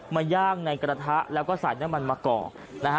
ย่างในกระทะแล้วก็ใส่น้ำมันมะกอกนะฮะ